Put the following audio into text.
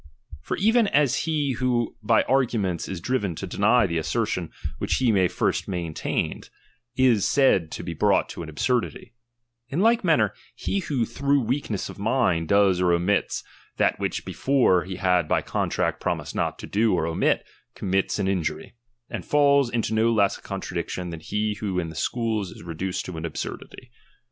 For even as he who by arguments is driven to deny the assertion which he first main tained, is said to be brought to an absurdity ; in like manner, he who through weakness of mind does or omits that which before he had by con tract promised not to do or omit, commits an in jury, and falls into no less contradiction than he who in the Schools is reduced to an absurdity.